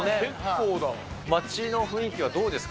街の雰囲気はどうですか。